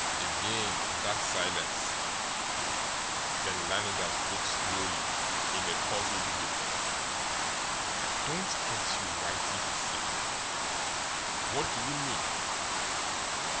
Again that silence. Then Lannigan spoke slowly, in a puzzled way. "I don't get you, Whitey," he said. "What do you mean?"